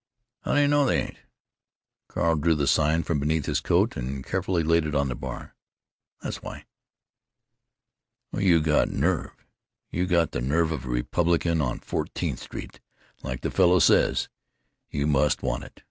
"How do you know they ain't?" Carl drew the sign from beneath his coat and carefully laid it on the bar. "That's why." "Well, you got nerve. You got the nerve of a Republican on Fourteenth Street, like the fellow says. You must want it.